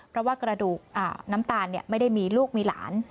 เพราะว่ากระดูกน้ำตาลไม่ได้มีลูกมีหลาน